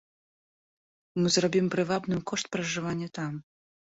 Мы зробім прывабным кошт пражывання там.